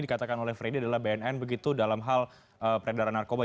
dikatakan oleh freddy adalah bnn begitu dalam hal peredaran narkoba